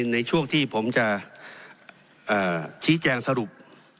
ในช่วงที่ผมจะชี้แจงสรุป